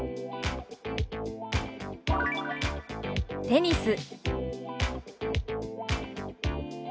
「テニス」。